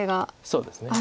そうですね。